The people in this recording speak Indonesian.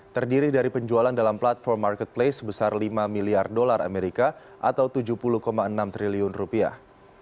terdiri dari penjualan dalam platform marketplace sebesar lima miliar dolar amerika atau tujuh puluh enam triliun rupiah